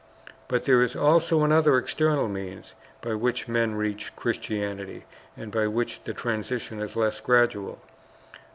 But there is also another external means by which men reach Christianity and by which the transition is less gradual.